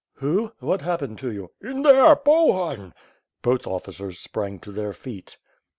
"Who? What happened to you?" "In there— Bohun!" Both officers sprang to their feet.